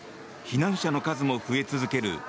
避難者の数も増え続ける